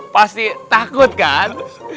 pasti takut kan